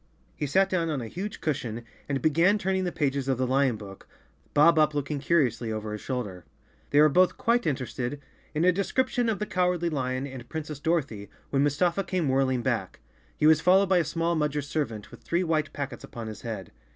He sat down on a huge cushion and began turning the pages of the lion book, Bob Up looking curiously over his shoulder. They were both quite interested in a de 54 Chapter Four scription of the Cowardly Lion and Princess Dorothy, when Mustafa came whirling back. He was followed by a small Mudger servant, with three white packets upon his head.